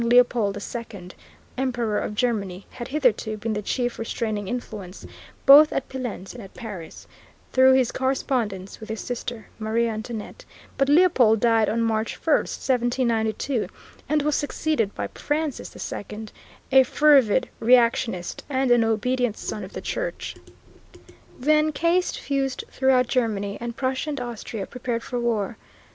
Leopold II, Emperor of Germany, had hitherto been the chief restraining influence, both at Pilnitz and at Paris, through his correspondence with his sister, Marie Antoinette; but Leopold died on March 1, 1792, and was succeeded by Francis II, a fervid reactionist and an obedient son of the Church. Then caste fused throughout Germany, and Prussia and Austria prepared for war.